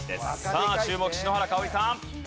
さあ注目篠原かをりさん。